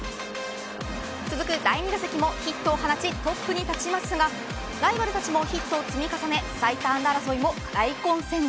続く第２打席もヒットを放ちトップに立ちますがライバルたちもヒットを積み重ね